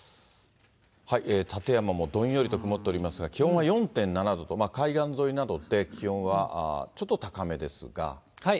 館山もどんよりと曇っておりますが、気温は４．７度と、海岸沿いなどで気温はちょっと高めですが。